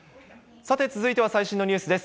さて、続いては最新のニュースです。